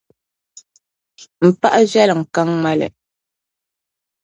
M paɣa viεlim ka ŋmali.